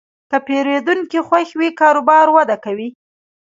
که پیرودونکی خوښ وي، کاروبار وده کوي.